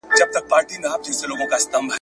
چي خالق د لمر او مځکي او اسمان ..